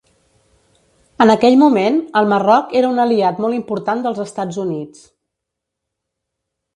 En aquell moment, el Marroc era un aliat molt important dels Estats Units.